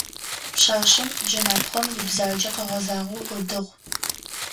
Пшъашъэм джэнапхъэм ибзаджэ къэгъэзагъэу ыдыгъ.